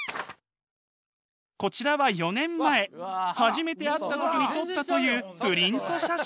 こちらは４年前初めて会った時に撮ったというプリント写真。